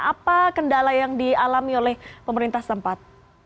apa kendala yang dialami oleh pemerintah tempat